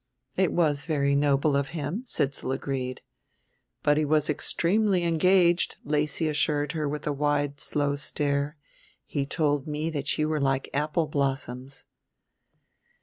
"It was very noble of him," Sidsall agreed. "But he was extremely engaged," Lacy assured her with her wide slow stare. "He told me that you were like apple blossoms."